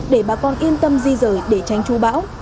để bà con yên tâm di rời để tránh chú bão